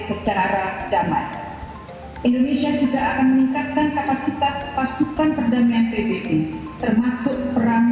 sebagai anggota tindak tetap artik konsep kepada r khusus serta prok commandant